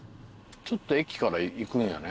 ちょっと駅から行くんやね。